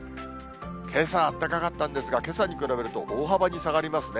けさ、あったかかったんですが、けさに比べると大幅に下がりますね。